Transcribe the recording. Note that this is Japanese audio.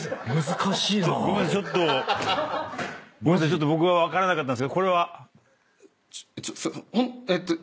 ちょっと僕は分からなかったんですけどこれは？